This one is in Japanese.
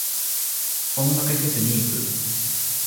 音楽フェス行く。